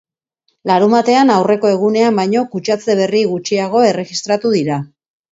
Larunbatean aurreko egunean baino kutsatze berri gutxiago erregistratu dira.